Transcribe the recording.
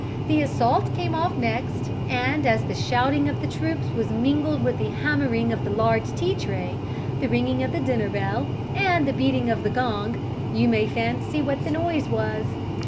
The assault came off next, and as the shouting of the troops was mingled with the hammering of the large tea tray, the ringing of the dinner bell, and the beating of the gong, you may fancy what the noise was.